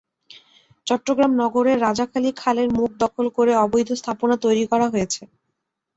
চট্টগ্রাম নগরের রাজাখালী খালের মুখ দখল করে অবৈধ স্থাপনা তৈরি করা হয়েছে।